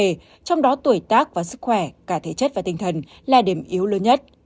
giới quan sát cho rằng ông có tuổi tác và sức khỏe cả thể chất và tinh thần là điểm yếu lớn nhất